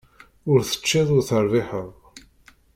Ur teččiḍ ur terbiḥeḍ.